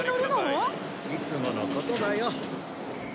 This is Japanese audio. いつものことだよ。